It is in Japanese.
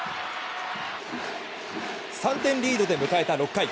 ３点リードで迎えた６回。